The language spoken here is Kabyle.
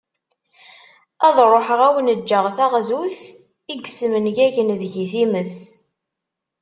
Ad ruḥeγ ad awen-ğğeγ taγzut i yesmengagen deg-i timest.